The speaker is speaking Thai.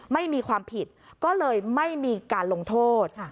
ไม่มีความผิดก็เลยไม่มีการลงโทษ